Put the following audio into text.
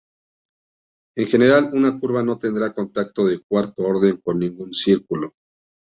En general, una curva no tendrá contacto de cuarto orden con ningún círculo.